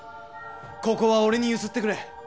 ここは俺に譲ってくれ。